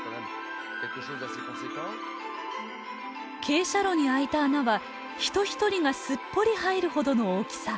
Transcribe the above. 傾斜路にあいた穴は人一人がすっぽり入るほどの大きさ。